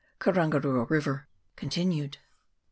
KARANGARUA RIVER (continued).